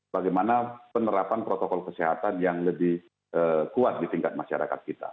bagaimana penerapan protokol kesehatan yang lebih kuat di tingkat masyarakat kita